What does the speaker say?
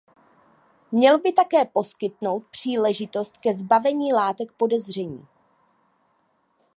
Měl by také poskytnout příležitost ke zbavení látek podezření.